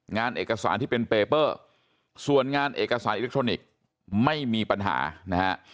งานเอกสารที่เป็นเปเปอร์ส่วนงานเอกสารอิเล็กทรอนิกส์ไม่มีปัญหานะฮะ